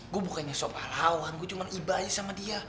gue bukannya sobat lawan gue cuma ibahnya sama dia